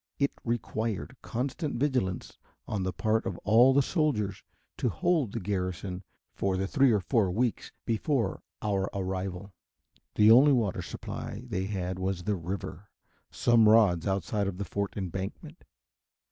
It required constant vigilance on the part of all the soldiers to hold the garrison for the three or four weeks before our arrival. The only water supply they had was the river, some rods outside of the fort embankment.